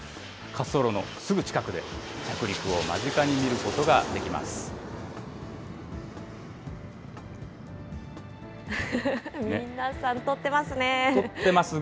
滑走路のすぐ近くで、着陸を間近に見ることができます。